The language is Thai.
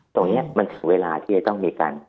ตรงนี้มันถึงเวลาที่จะต้องมีการ